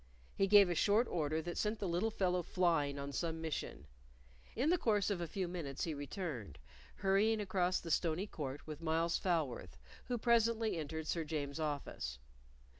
He gave a short order that sent the little fellow flying on some mission. In the course of a few minutes he returned, hurrying across the stony court with Myles Falworth, who presently entered Sir James's office.